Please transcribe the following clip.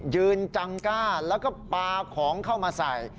ยืนจังกล้าแล้วก็ปลาของเข้ามาใส่